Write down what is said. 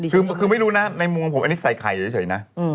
คือไม่รู้นะในมุมของผมอันนี้ใส่ไข่เฉยนะ